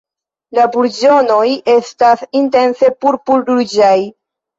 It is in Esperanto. La burĝonoj estas intense purpur-ruĝaj.